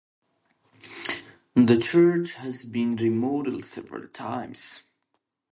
The church has been remodeled several times.